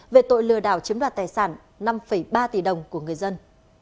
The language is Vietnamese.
về tội lừa đảo chiếm đoạt tài sản năm ba tỷ đồng của người dân